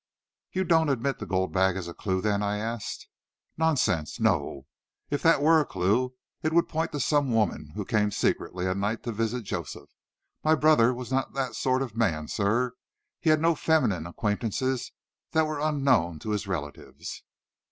"You don't admit the gold bag as a clue, then?" I asked. "Nonsense! No! If that were a clue, it would point to some woman who came secretly at night to visit Joseph. My brother was not that sort of man, sir. He had no feminine acquaintances that were unknown to his relatives."